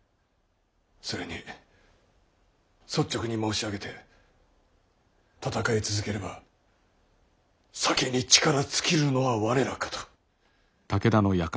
それに率直に申し上げて戦い続ければ先に力尽きるのは我らかと。